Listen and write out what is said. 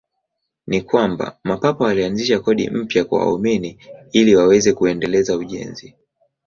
Ni kwamba Mapapa walianzisha kodi mpya kwa waumini ili waweze kuendeleza ujenzi.